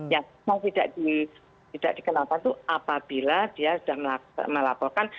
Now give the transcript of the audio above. ya mau tidak dikenakan itu apabila dia sudah melaporkan